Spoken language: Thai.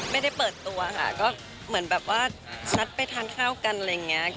ไม่ได้เปิดตัวค่ะก็เหมือนแบบว่านัดไปทานข้าวกันอะไรอย่างนี้